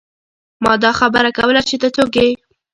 ما دا خبره کوله چې ته څوک يې ۔